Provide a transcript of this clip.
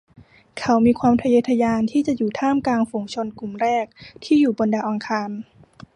เขามีความทะเยอทะยานที่จะอยู่ท่ามกลางฝูงชนกลุ่มแรกที่อยู่บนดาวอังคาร